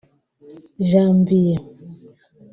Janvier